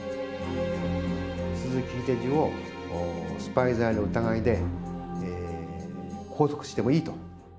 鈴木英司をスパイ罪の疑いで拘束してもいいと。